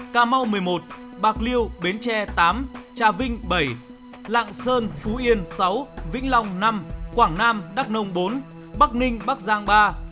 cà mau một mươi một bạc liêu bến tre tám trà vinh bảy lạng sơn phú yên sáu vĩnh long năm quảng nam đắk nông bốn bắc ninh bắc giang ba